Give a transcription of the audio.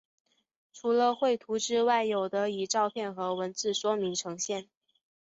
除了绘图之外有的以照片和文字说明呈现。